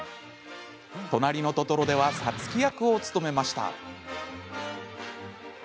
「となりのトトロ」ではサツキ役を務めました。